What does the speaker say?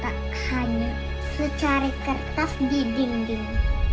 tidak hanya secara kertas di dinding